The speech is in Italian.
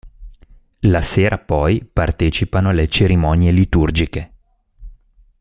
La sera poi partecipano alle cerimonie liturgiche.